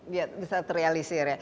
bisa terrealisir ya